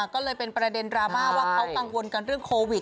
ก็เลยเป็นประเด็นดราม่าว่าเขากังวลกันเรื่องโควิด